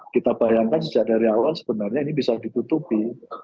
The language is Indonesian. kita bayangkan sejak dari awal sebenarnya ini bisa ditutupi